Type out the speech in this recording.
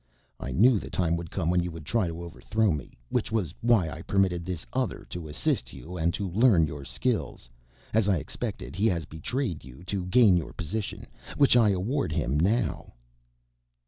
"I knew the time would come when you would try to overthrow me, which was why I permitted this other to assist you and to learn your skills. As I expected he has betrayed you to gain your position, which I award him now."